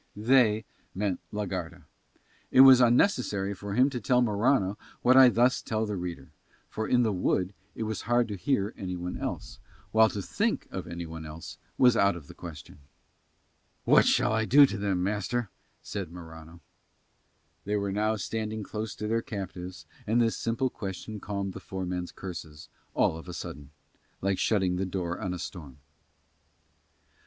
"They" meant la Garda. It was unnecessary for him to tell Morano what I thus tell the reader, for in the wood it was hard to hear anyone else, while to think of anyone else was out of the question. "What shall I do to them, master?" said Morano. They were now standing close to their captives and this simple question calmed the four men's curses, all of a sudden, like shutting the door on a storm.